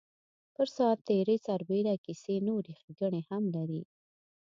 پر ساعت تېرۍ سربېره کیسې نورې ښیګڼې هم لري.